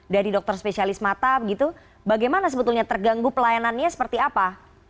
dari dokter spesialis mata bagaimana sebetulnya terganggu pelayanannya seperti apa